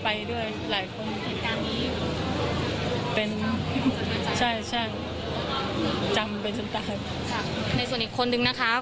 พูดสิทธิ์ข่าวธรรมดาทีวีรายงานสดจากโรงพยาบาลพระนครศรีอยุธยาครับ